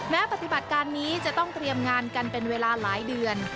ปฏิบัติการนี้จะต้องเตรียมงานกันเป็นเวลาหลายเดือน